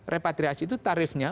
repatriasi itu tarifnya